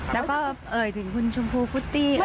แล้วก็เอ่ยถึงคุณชมพูคุตตี้